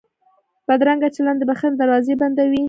بدرنګه چلند د بښنې دروازې بندوي